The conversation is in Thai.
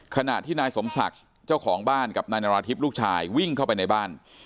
ขณะที่นายสมศักดิ์เจ้าของบ้านกับนายนาราธิบลูกชายวิ่งเข้าไปในบ้าน